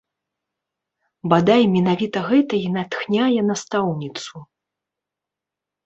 Бадай, менавіта гэта і натхняе настаўніцу.